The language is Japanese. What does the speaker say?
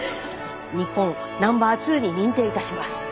日本Ｎｏ．２に認定いたします。